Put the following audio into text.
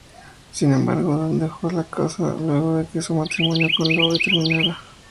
Sin embargo Dan dejó la casa luego de que su matrimonio con Libby terminara.